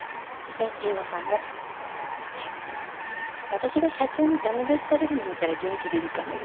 私が社長に駄目出しされるの見たら元気出るかもよ。